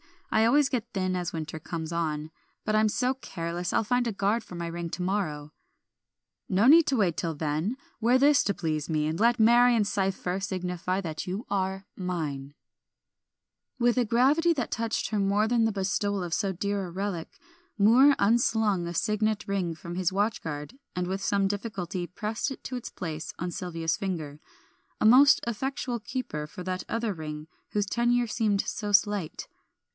I always get thin as winter comes on, but I'm so careless I'll find a guard for my ring to morrow." "No need to wait till then; wear this to please me, and let Marion's cipher signify that you are mine." With a gravity that touched her more than the bestowal of so dear a relic, Moor unslung a signet ring from his watchguard, and with some difficulty pressed it to its place on Sylvia's finger, a most effectual keeper for that other ring whose tenure seemed so slight.